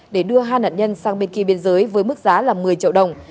để đưa hai nạn nhân sang bên kia biên giới với mức giá là một mươi triệu đồng